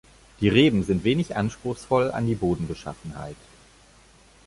Die Reben sind wenig anspruchsvoll an die Bodenbeschaffenheit.